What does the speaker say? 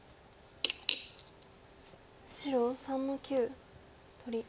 白３の九取り。